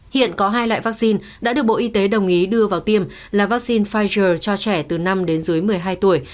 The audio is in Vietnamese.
hiện có hai loại vaccine đã được bộ y tế đồng ý đưa vào tiêm là vaccine pfizer cho trẻ từ năm đến dưới một mươi hai tuổi